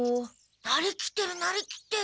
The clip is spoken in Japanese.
なりきってるなりきってる。